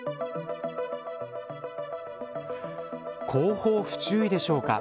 後方不注意でしょうか。